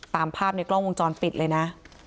ตามภาพในกล้องวงจรปิดเลยนะ